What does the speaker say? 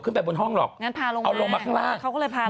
ขึ้นไปบนห้องหรอกเอาลงมาข้างล่าง